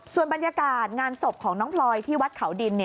ส่วนบรรยากาศงานศพของน้องพลอยที่วัดเขาดิน